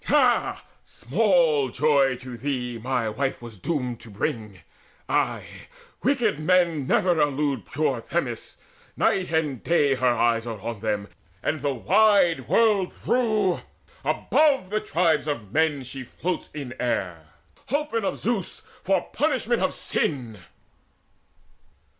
Ha, small joy to thee My wife was doomed to bring! Ay, wicked men Never elude pure Themis: night and day Her eyes are on them, and the wide world through Above the tribes of men she floats in air, Holpen of Zeus, for punishment of sin."